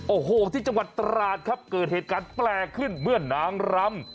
โอ้โหที่จังหวัดตราดครับเกิดเหตุการณ์แปลกขึ้นเมื่อนางรำ